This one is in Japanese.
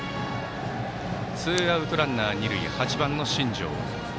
ツーアウトランナー、二塁で打席は８番の新城。